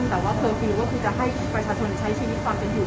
พิโภควีวัตคนเห็นครึ่งก็คือจะให้ประชาชนใช้ชีวิตความเป็นอยู่